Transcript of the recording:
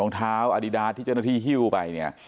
รองเท้าอดิดาที่เจ้าหน้าที่ฮิ้วไปเนี่ย